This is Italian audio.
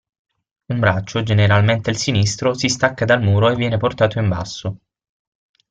Un braccio, generalmente il sinistro, si stacca dal muro e viene portato in basso.